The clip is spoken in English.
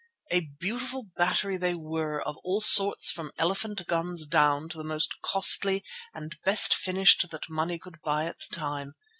A beautiful battery they were of all sorts from elephant guns down, the most costly and best finished that money could buy at the time.